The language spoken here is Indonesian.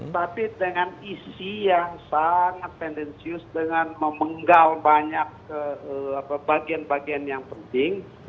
tapi dengan isi yang sangat tendensius dengan memenggal banyak bagian bagian yang penting